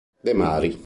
De Mari